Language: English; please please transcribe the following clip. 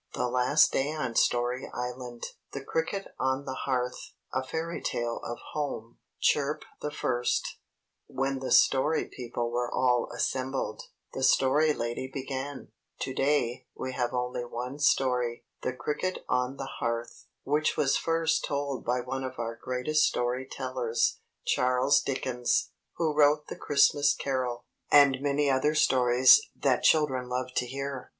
THE LAST DAY ON STORY ISLAND THE CRICKET ON THE HEARTH XXXIV CHIRP THE FIRST WHEN the Story People were all assembled, the Story Lady began: "To day we have only one story, 'The Cricket on the Hearth,' which was first told by one of our greatest story tellers, Charles Dickens, who wrote 'The Christmas Carol' and many other stories that children love to hear."